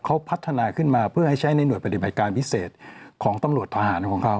เขาพัฒนาขึ้นมาเพื่อให้ใช้ในห่วยปฏิบัติการพิเศษของตำรวจทหารของเขา